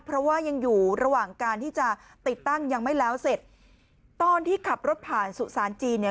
เพราะว่ายังอยู่ระหว่างการที่จะติดตั้งยังไม่แล้วเสร็จตอนที่ขับรถผ่านสุสานจีนเนี่ย